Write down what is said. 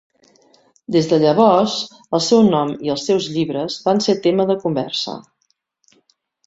Des de llavors, el seu nom i els seus llibres van ser tema de conversa.